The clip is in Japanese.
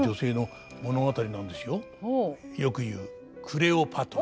よくいうクレオパトラ。